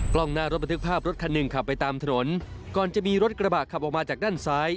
กล้องหน้ารถบันทึกภาพรถคันหนึ่งขับไปตามถนนก่อนจะมีรถกระบะขับออกมาจากด้านซ้าย